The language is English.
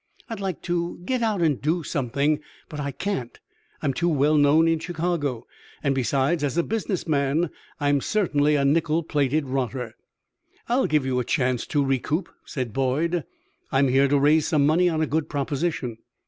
I'd like to get out and do something, but I can't; I'm too well known in Chicago, and besides, as a business man I'm certainly a nickel plated rotter." "I'll give you a chance to recoup," said Boyd. "I am here to raise some money on a good proposition."